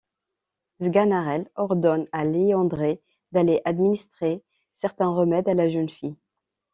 Sganarelle ordonne à Léandre d'aller administrer certain remède à la jeune fille.